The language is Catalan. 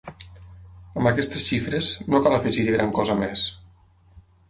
Amb aquestes xifres, no cal afegir-hi gran cosa més.